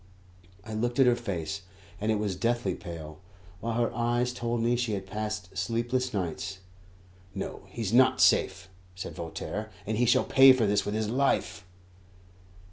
I looked at her face, and it was deathly pale, while her eyes told me she had passed sleepless nights. "No, he's not safe," said Voltaire, "and he shall pay for this with his life."